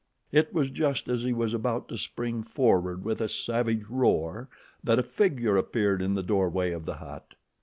It was just as he was about to spring forward with a savage roar that a figure appeared in the doorway of the hut.